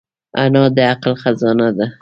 انا د عقل خزانه ده